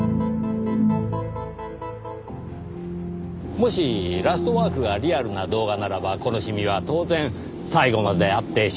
もし『ラストワーク』がリアルな動画ならばこのシミは当然最後まであってしかるべきものです。